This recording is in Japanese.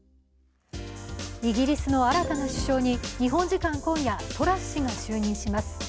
イギリスの新たな首相に日本時間今夜、トラス氏が就任します。